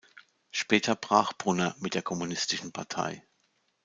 Später brach Brunner mit der Kommunistischen Partei.